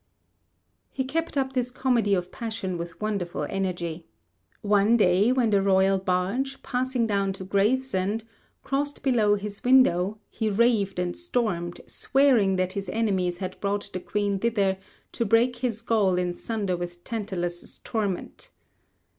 He kept up this comedy of passion with wonderful energy. One day, when the royal barge, passing down to Gravesend, crossed below his window, he raved and stormed, swearing that his enemies had brought the Queen thither 'to break his gall in sunder with Tantalus' torment.'